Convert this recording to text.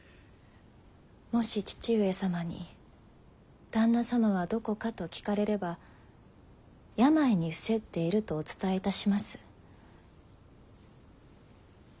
もし父上様に「旦那様はどこか？」と聞かれれば「病に伏せっている」とお伝えいたします。